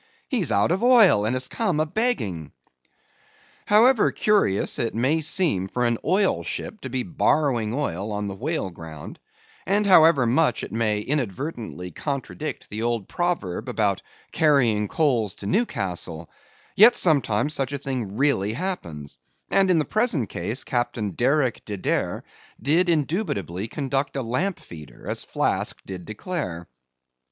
He's out of oil, and has come a begging." However curious it may seem for an oil ship to be borrowing oil on the whale ground, and however much it may invertedly contradict the old proverb about carrying coals to Newcastle, yet sometimes such a thing really happens; and in the present case Captain Derick De Deer did indubitably conduct a lamp feeder as Flask did declare.